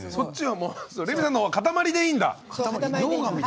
レミさんのほうは塊でいいんだ。